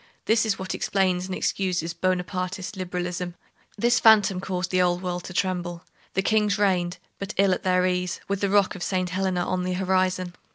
That is what explains and excuses Bonapartist liberalism. This phantom caused the old world to tremble. The kings reigned, but ill at their ease, with the rock of Saint Helena on the horizon.